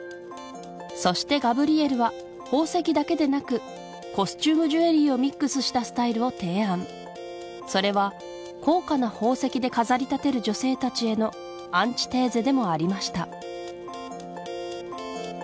そしてガブリエルは宝石だけでなくコスチュームジュエリーをミックスしたスタイルを提案それは高価な宝石で飾り立てる女性たちへのアンチテーゼでもありました